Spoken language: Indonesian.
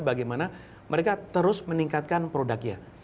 bagaimana mereka terus meningkatkan produknya